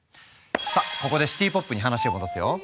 さあここでシティ・ポップに話を戻すよ。